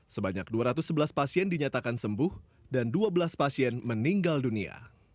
sebanyak dua ratus sebelas pasien dinyatakan sembuh dan dua belas pasien meninggal dunia